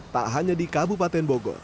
tak hanya di kabupaten bogor